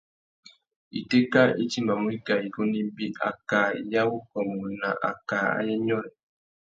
Itéka i timbamú wikā igunú ibi: akā ya wukômô na akā ayê nyôrê.